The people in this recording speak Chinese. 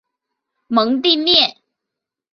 蒙蒂涅。